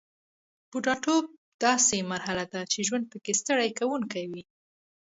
بوډاتوب داسې مرحله ده چې ژوند پکې ستړي کوونکی وي